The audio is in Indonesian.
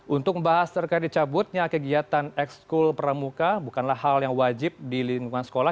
untuk membahas terkait dicabutnya kegiatan ekskul pramuka bukanlah hal yang wajib di lingkungan sekolah